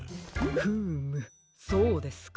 フームそうですか。